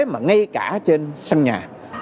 mà ngay cả trên sân nhà